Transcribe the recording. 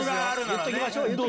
言っときましょ！